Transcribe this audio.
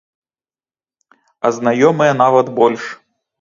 А знаёмыя нават больш.